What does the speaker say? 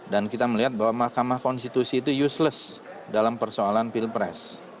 dan kita melihat bahwa mk itu useless dalam persoalan pilpres